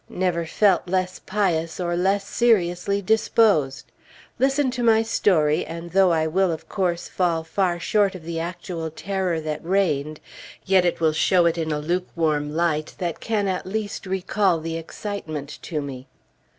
Never felt less pious, or less seriously disposed! Listen to my story, and though I will, of course, fall far short of the actual terror that reigned, yet it will show it in a lukewarm light, that can at least recall the excitement to me.